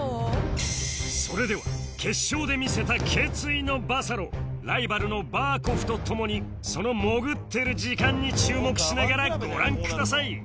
それでは決勝で見せた決意のバサロライバルのバーコフとともにその潜ってる時間に注目しながらご覧ください！